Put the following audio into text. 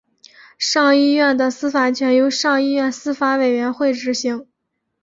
上议院的司法权由上议院司法委员会执行。